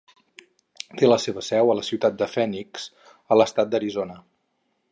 Té la seva seu a la ciutat de Phoenix, a l'estat d'Arizona.